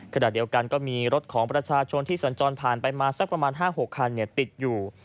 ขณะเดียวกันก็มีรถของประชาชนที่สัญจรผ่านไปมาสักประมาณ๕๖คันติดอยู่